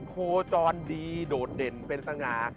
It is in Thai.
โคจรดีโดดเด่นเป็นสง่า